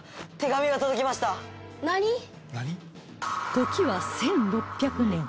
時は１６００年